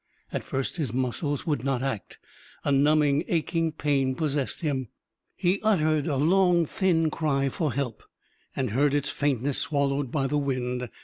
At first his muscles would not act; a numbing, aching pain possessed him. He uttered a long, thin cry for help, and heard its faintness swallowed by the wind.